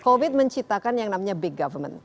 covid menciptakan yang namanya big government